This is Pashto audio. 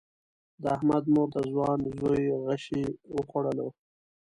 د احمد مور د ځوان زوی غشی وخوړلو.